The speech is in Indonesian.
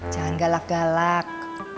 jangan galak galak